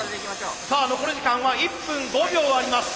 さあ残り時間は１分５秒あります。